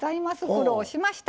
苦労しました。